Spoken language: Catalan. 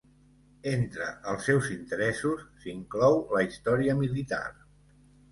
Entre els seus interessos s'inclou la història militar.